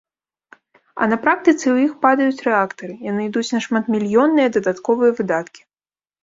А на практыцы ў іх падаюць рэактары, яны ідуць на шматмільённыя дадатковыя выдаткі.